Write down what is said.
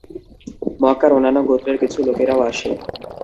মক্কার অন্যান্য গোত্রের কিছু লোকেরাও আসে।